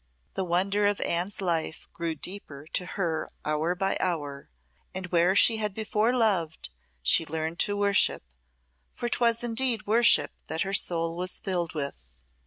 The wonder of Anne's life grew deeper to her hour by hour, and where she had before loved, she learned to worship, for 'twas indeed worship that her soul was filled with.